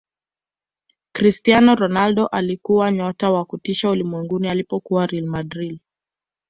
cristiano ronaldo alikuwa nyota wa kutisha ulimwenguni alipokuwa real madrid